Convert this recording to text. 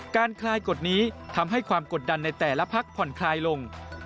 คลายกฎนี้ทำให้ความกดดันในแต่ละพักผ่อนคลายลง